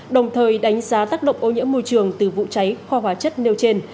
đồng thời đánh giá tác động ô nhiễm môi trường từ vụ cháy kho hóa chất nêu trên